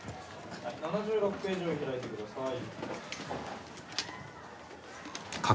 ７６ページを開いてください。